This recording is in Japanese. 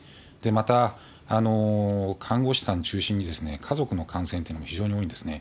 また、看護師さん中心に、家族の感染というのが非常に多いんですね。